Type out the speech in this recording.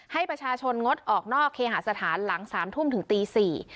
ให้ประชาชนงดออกนอกเคหาสถานหลังสามทุ่มถึงตี๔